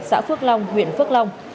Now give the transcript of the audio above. xã phước long huyện phước long